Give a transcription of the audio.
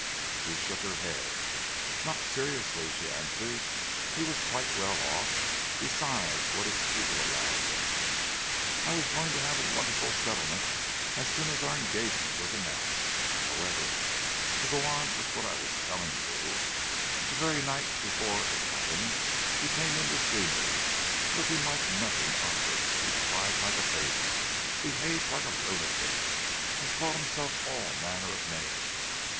She shook her head. "Not seriously," she answered. "He was quite well off, besides what his people allowed him. I was going to have a wonderful settlement as soon as our engagement was announced. However, to go on with what I was telling you, the very night before it happened he came in to see me, looking like nothing on earth. He cried like a baby, behaved like a lunatic, and called himself all manner of names.